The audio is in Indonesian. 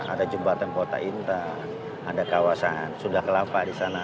ada jembatan kota intan ada kawasan sudakalapa di sana